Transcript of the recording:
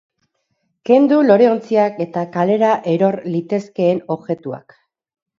Kendu loreontziak eta kalera eror litezkeen objektuak.